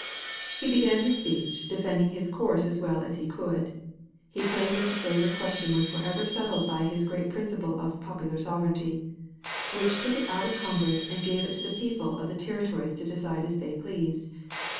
He began his speech, defending his course as well as he could. He claimed that the slavery question was forever settled by his great principle of "popular sovereignty," which took it out of Congress and gave it to the people of the territories to decide as they pleased.